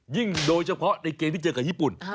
โดยเฉพาะในเกมที่เจอกับญี่ปุ่น